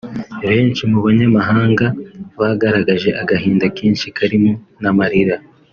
Benshi mu banyamahanga bagaragaje agahinda kenshi karimo n’amarira